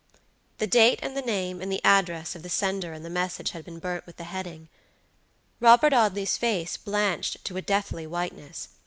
The date and the name and address of the sender of the message had been burnt with the heading. Robert Audley's face blanched to a deathly whiteness.